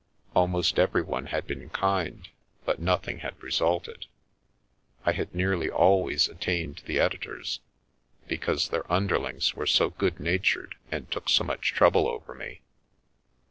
Almost everyone had been kind, but nothing had re sulted. I had nearly always attained the editors, be cause their underlings were so good natured and took so much trouble over me.